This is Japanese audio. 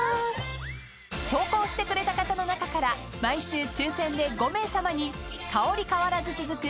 ［投稿してくれた方の中から毎週抽選で５名さまに香り変わらず続く